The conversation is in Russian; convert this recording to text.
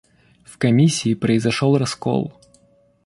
В комиссии произошел раскол.